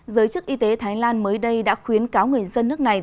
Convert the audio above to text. giới chức y tế thái lan mới đây đã khuyến cáo người dân nước này